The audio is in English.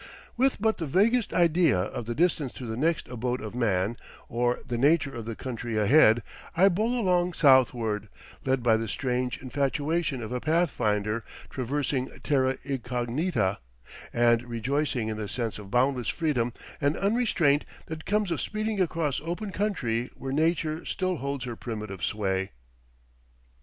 With but the vaguest idea of the distance to the next abode of man, or the nature of the country ahead, I bowl along southward, led by the strange infatuation of a pathfinder traversing terra incognita, and rejoicing in the sense of boundless freedom and unrestraint that comes of speeding across open country where Nature still holds her primitive sway.